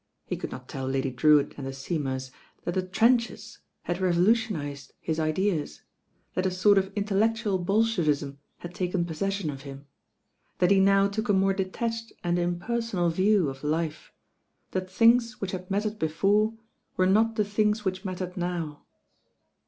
He could not tell Lady Drewitt and the Seymours that the trenches had revolutionised his ideas, that a sort of intellectual Bolshevism had taken possession of him, that he now took a more detached and impersonal view of life, that things which had mattered before were not the things which mattered now.